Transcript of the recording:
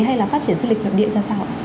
hay là phát triển du lịch nước địa ra sao